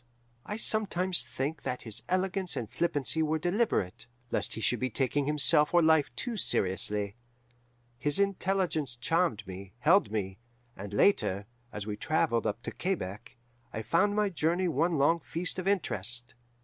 I sometimes think that his elegance and flippancy were deliberate, lest he should be taking himself or life too seriously. His intelligence charmed me, held me, and, later, as we travelled up to Quebec, I found my journey one long feast of interest.